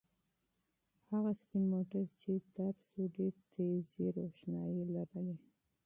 هغه سپین موټر چې تېر شو ډېرې تیزې روښنایۍ لرلې.